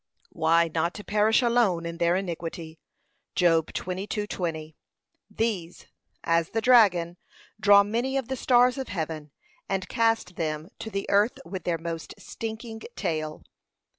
why, not to perish alone in their iniquity. (Job 22:20) These, as the dragon, draw many of the stars of heaven, and cast them to the earth with their most stinking tail.